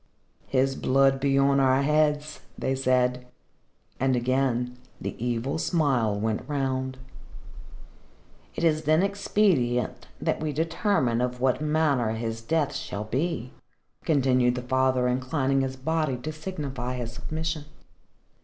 "His blood be on our heads," they said. And again, the evil smile went round. "It is then expedient that we determine of what manner his death shall be," continued the father, inclining his body to signify his submission.